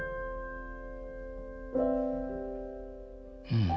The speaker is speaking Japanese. うん。